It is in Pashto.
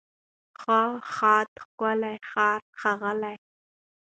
ښه، ښاد، ښکلی، ښار، ښاغلی